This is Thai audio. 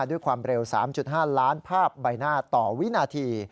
ด้วยความเร็ว๓๕ล้านภาพใบหน้าต่อวินาที